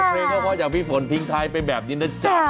เป็นเพลงที่พี่ฝนทิ้งท้ายไปแบบนี้นะจ๊ะ